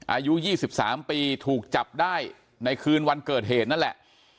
อายุ๒๓ปีถูกจับได้ในคืนวันเกิดเหตุนั่นแหละ